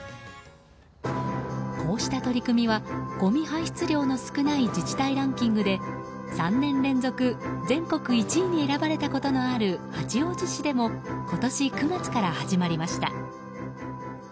こうした取り組みはごみ排出量の少ない自治体ランキングで３年連続全国１位に選ばれたことのある八王子市でも今年９月から始まりました。